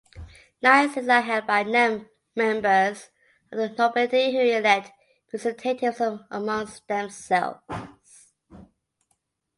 Nine seats are held by members of the nobility who elect representatives amongst themselves.